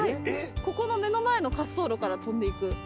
ここの目の前の滑走路から飛んでいく。